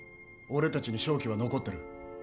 俺たちに勝機は残ってる。